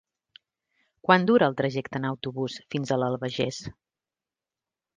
Quant dura el trajecte en autobús fins a l'Albagés?